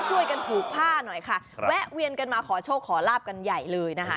ช่วยกันผูกผ้าหน่อยค่ะแวะเวียนกันมาขอโชคขอลาบกันใหญ่เลยนะคะ